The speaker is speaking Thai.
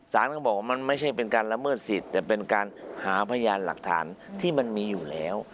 ก็บอกว่ามันไม่ใช่เป็นการละเมิดสิทธิ์แต่เป็นการหาพยานหลักฐานที่มันมีอยู่แล้ว